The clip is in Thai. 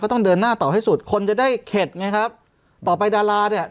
ต้องเดินหน้าต่อให้สุดคนจะได้เข็ดไงครับต่อไปดาราเนี่ย